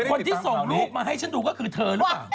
คนที่ส่งรูปมาให้ฉันดูก็คือเธอหรือเปล่า